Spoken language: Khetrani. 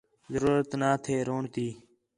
ضرورت نا تھے رووݨ تی